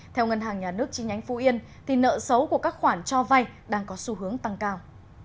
theo ngân hàng nhà nước chi nhánh phú yên nợ xấu của các khoản cho vay đang có xu hướng tăng cao